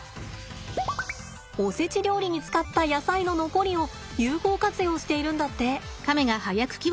おせち料理に使った野菜の残りを有効活用しているんだって。